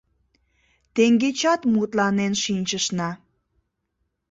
Теҥгечат мутланен шинчышна.